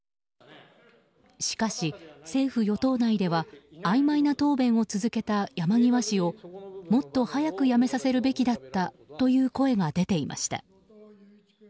しかし政府・与党内ではあいまいな答弁を続けた山際氏をもっと早く辞めさせるべきだったという声が出ていました。